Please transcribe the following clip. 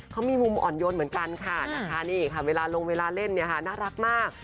เขามีมุมอ่อนโยนเหมือนกันค่ะนี่ค่ะเวลาลงเวลาเล่นน่ารักมาก